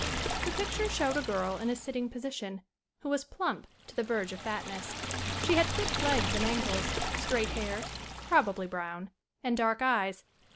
The picture showed a girl in a sitting posi tion, who was plump to the verge of fatness. She had thick legs and ankles, straight hair, probably brown, and dark eyes.